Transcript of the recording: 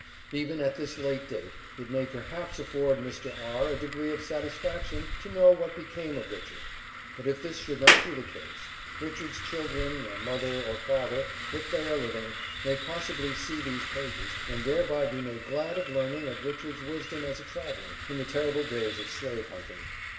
Even at this late date, it may perhaps afford Mr. R. a degree of satisfaction to know what became of Richard; but if this should not be the case, Richard's children, or mother, or father, if they are living, may possibly see these pages, and thereby be made glad by learning of Richard's wisdom as a traveler, in the terrible days of slave hunting.